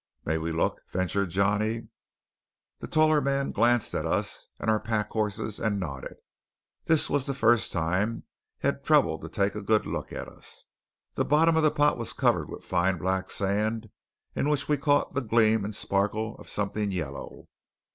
"May we look?" ventured Johnny. The taller man glanced at us, and our pack horses, and nodded. This was the first time he had troubled to take a good look at us. The bottom of the pot was covered with fine black sand in which we caught the gleam and sparkle of something yellow.